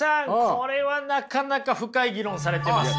これはなかなか深い議論されてますね。